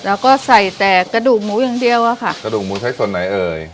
แล้วก็ใส่แต่กระดูกหมูอย่างเดียวอะค่ะกระดูกหมูใช้ส่วนไหนเอ่ย